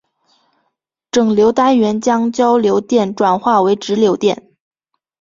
整流单元将交流电转化为直流电。